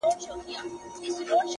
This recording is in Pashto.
• او د مفاهیمو هغه عمق چي ,